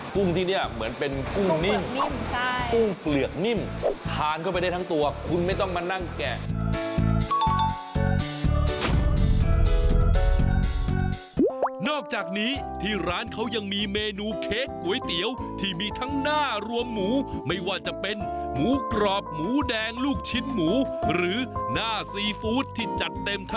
กุ้งที่นี่เหมือนเป็นกุ้งเปลือกนิ่ม